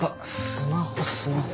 スマホスマホ。